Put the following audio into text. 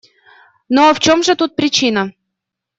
Ну а в чем же тут причина?